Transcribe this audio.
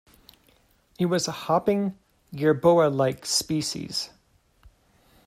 It was a hopping, gerboa-like species.